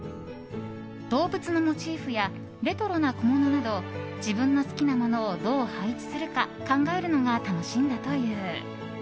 動物のモチーフやレトロな小物など自分の好きなものをどう配置するか考えるのが楽しいのだという。